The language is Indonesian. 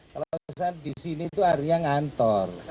kalau di sini itu artinya ngantor